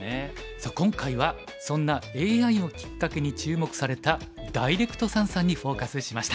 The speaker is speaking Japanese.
さあ今回はそんなＡＩをきっかけに注目されたダイレクト三々にフォーカスしました。